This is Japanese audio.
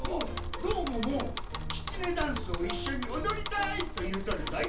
どーもも「きつねダンス」をいっしょにおどりたい！というとるぞい。